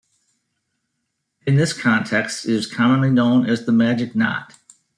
In this context, it is commonly known as "the magic knot".